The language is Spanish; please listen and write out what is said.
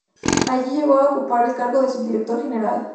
Allí llegó a ocupar el cargo de subdirector general.